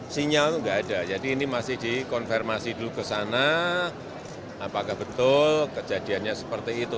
sinyal nggak ada jadi ini masih dikonfirmasi dulu ke sana apakah betul kejadiannya seperti itu